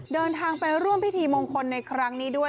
เดินทางไปร่วมพิธีมงคลในครั้งนี้ด้วย